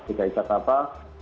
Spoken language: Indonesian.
tidak bisa kata